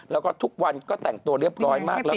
แล้วก็ทุกวันก็แต่งตัวเรียบร้อยมากแล้ว